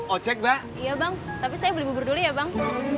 ojek bang iya bang tapi saya beli bubur dulu ya bang